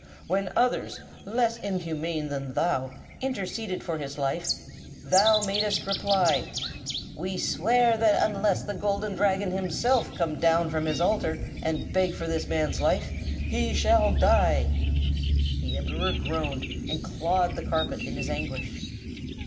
When others, less inhuman than thou, interceded for his life, thou madest reply, 'We swear, that unless the Golden Dragon himself come down from his altar and beg for this man's life, he shall die!'" The Emperor groaned, and clawed the carpet in his anguish.